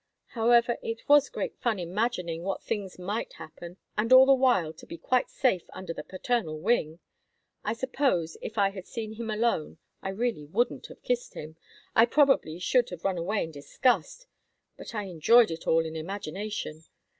However, it was great fun imagining what things might happen, and all the while to be quite safe under the paternal wing. I suppose if I had seen him alone I really wouldn't have kissed him—I probably should have run away in disgust—but I enjoyed it all in imagination.